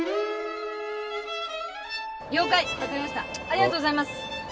ありがとうございます。